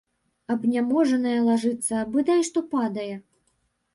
Абняможаная лажыцца, бадай што падае.